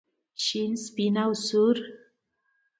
شین سپین او سور.